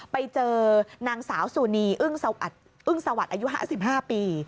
ไปเจอนางสาวสุนีอึ้งสวัสดิ์อายุ๕๕ปี